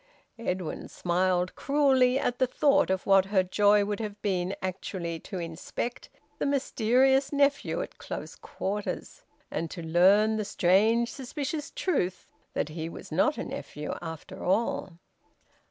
Edwin smiled cruelly at the thought of what her joy would have been actually to inspect the mysterious nephew at close quarters, and to learn the strange suspicious truth that he was not a nephew after all.